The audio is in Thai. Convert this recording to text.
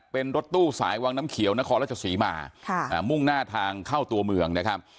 เป็นรถตู้สายวังน้ำเขียวนครราชศรีมามุ่งหน้าทางเข้าตัวเมืองนะครับ